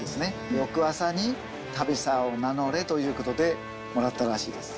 翌朝に旅沢を名乗れということでもらったらしいです。